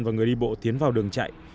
và người đi bộ tiến vào đường chạy